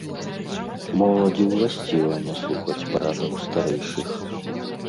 Моладзі ўласціва не слухаць парадаў старэйшых.